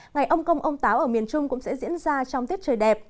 ngày ông công ông táo ở miền trung cũng sẽ diễn ra trong tiết trời đẹp